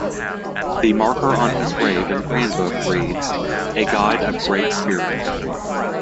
The marker on his grave in Cranbrook reads "A guide of great spirit".